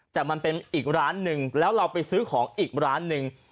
แต่มันเป็นอีกร้านหนึ่งแล้วเราไปซื้อของอีกร้านหนึ่ง